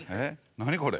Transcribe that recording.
何これ。